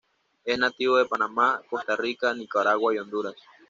Es nativo de Panamá, Costa Rica, Nicaragua, y Honduras.